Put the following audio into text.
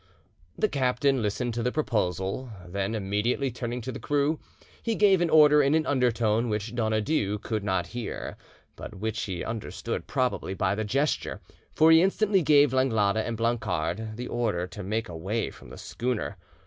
The captain listened to the proposal; then immediately turning to the crew, he gave an order in an undertone which Donadieu could not hear, but which he understood probably by the gesture, for he instantly gave Langlade and Blancard the order to make away from the schooner.